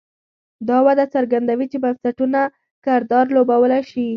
دا وده څرګندوي چې بنسټونه کردار لوبولی شي.